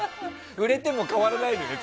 売れても変わらないでね。